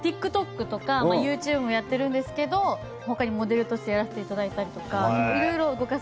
ＴｉｋＴｏｋとかＹｏｕＴｕｂｅもやってるんですけどほかにモデルとしてやらせていただいたりとか。